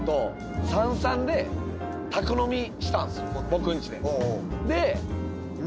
僕ん家で。